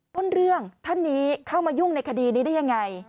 ต้นเรื่องท่านนี้เข้ามายุ่งในคดีนี้ได้ยังไง